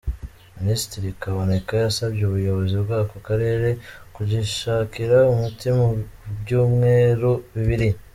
Minisitiri Kaboneka, yasabye ubuyobozi bw’ako Karere kugishakira umuti mu byumweru bibiri.